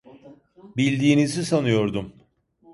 Bildiğinizi sanıyordum.